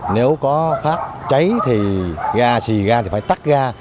nếu có phát cháy thì ga xì ga thì phải tắt ga